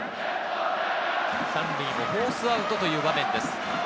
３塁もフォースアウトという場面です。